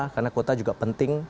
karena kuota juga penting